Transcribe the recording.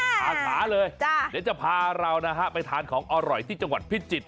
ขาขาเลยเดี๋ยวจะพาเรานะฮะไปทานของอร่อยที่จังหวัดพิจิตร